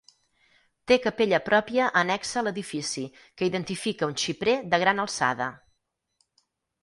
Té capella pròpia annexa a l'edifici que identifica un xiprer de gran alçada.